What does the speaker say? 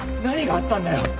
何があったんだよ？